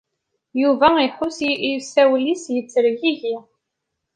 Yuba iḥuss i usawal-is yettergigi.